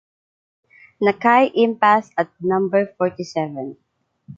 Naçay Impasse at number forty-seven.